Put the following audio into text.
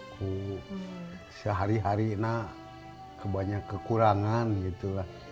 aku sehari hari nak kebanyakan kekurangan gitu